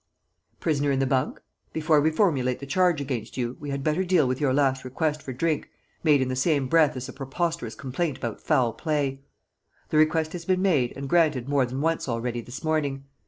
"Prisoner in the bunk, before we formulate the charge against you we had better deal with your last request for drink, made in the same breath as a preposterous complaint about foul play. The request has been made and granted more than once already this morning.